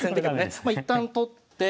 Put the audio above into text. まあ一旦取って。